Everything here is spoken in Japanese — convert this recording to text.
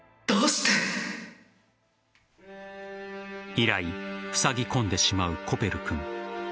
以来ふさぎ込んでしまうコペル君。